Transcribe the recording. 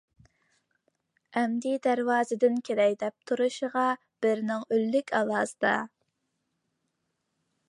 ئەمدى دەرۋازىدىن كىرەي دەپ تۇرۇشىغا بىرىنىڭ ئۈنلۈك ئاۋازدا.